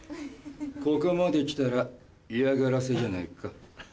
ここまで来たら嫌がらせじゃないか？